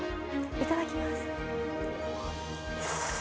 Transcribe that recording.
いただきます！